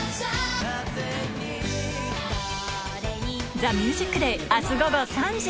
『ＴＨＥＭＵＳＩＣＤＡＹ』明日午後３時